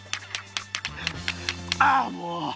ああもう！